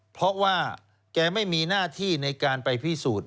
เพราะว่าแกไม่มีหน้าที่ในการไปพิสูจน์